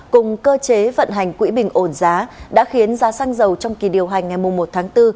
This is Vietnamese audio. cùng cơ chế vận hành quỹ bình ổn giá đã khiến giá xăng dầu trong kỳ điều hành ngày một tháng bốn